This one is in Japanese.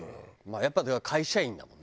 まあやっぱ会社員だもんね。